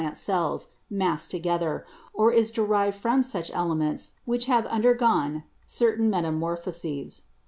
ing to the plant cells, massed together, or is derived from such elements which have undergone certain meta morphoses.